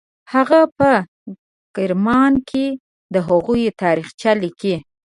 هغه په کرمان کې د هغوی تاریخچه لیکي.